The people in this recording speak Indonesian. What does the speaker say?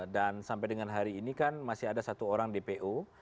dan sampai dengan hari ini kan masih ada satu orang dpo